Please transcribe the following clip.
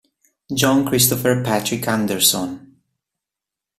John Christopher Patrick Anderson